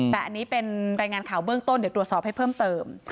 แต่อันนี้เป็นรายงานข่าวเบื้องต้นเดี๋ยวตรวจสอบให้เพิ่มเติม